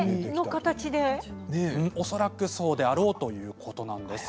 恐らくそうだろうということです。